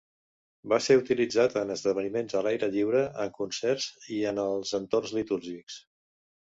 Va ser utilitzat en esdeveniments a l'aire lliure, en concerts i en els entorns litúrgics.